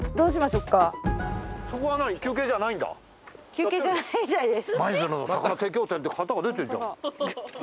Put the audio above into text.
休憩じゃないみたいです。